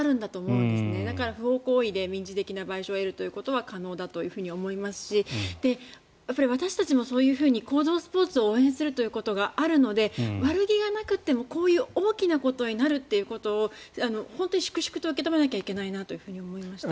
なので、不法行為で民事的な賠償で得ることは可能だと思いますし私たちもそういうふうに公道スポーツを応援することがあるので悪気がなくても、こういう大きなことになるということを本当に粛々と受け止めないといけないなと思いますね。